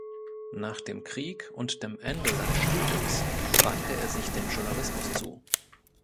Nach dem Krieg und dem Ende seines Studiums wandte er sich dem Journalismus zu.